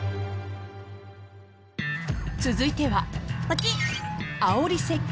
［続いては］